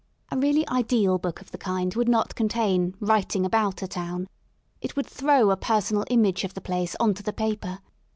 A really ideal book of the kind would not contain writing about" a town: it would throw a personal image of the place on to the paper.